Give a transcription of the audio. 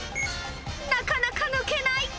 なかなか抜けない。